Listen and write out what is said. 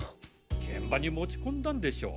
現場に持ち込んだんでしょう。